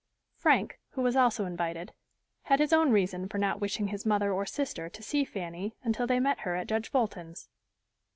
Frank, who was also invited, had his own reason for not wishing his mother or sister to see Fanny until they met her at Judge Fulton's.